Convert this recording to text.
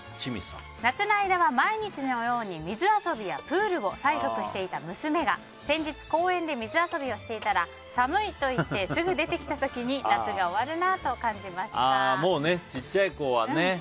夏の間は毎日のように水遊びやプールを催促していた娘が先日、公園で水遊びをしていたら寒いと言ってすぐ出てきた時にもうちっちゃい子はね